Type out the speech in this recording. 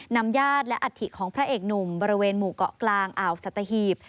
นำญาติและอัฐิของพระเอกหนุ่มบริเวณหมู่เกาะกลางอ่าวสัตหีบ